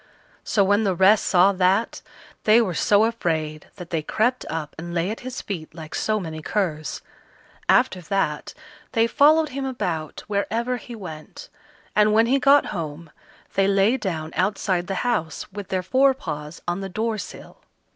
So when the rest saw that, they were so afraid that they crept up and lay at his feet like so many curs. After that they followed him about wherever he went, and when he got home, they lay down outside the house, with their fore paws on the door sill.